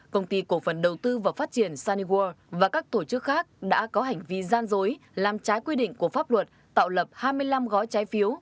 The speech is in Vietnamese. công ty cổ phần đầu tư và phát triển sunnyworld và các tổ chức khác đã có hành vi gian dối làm trái quy định của pháp luật tạo lập hai mươi năm gói trái phiếu